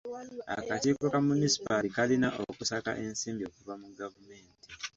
Akakiiko ka munisipaali kalina okusaka ensimbi okuva mu gavumenti.